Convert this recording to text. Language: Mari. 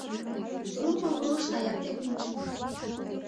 Руымым руышна якте пӱнчым